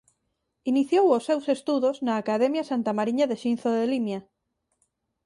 Iniciou os seus estudos na Academia Santa Mariña de Xinzo de Limia.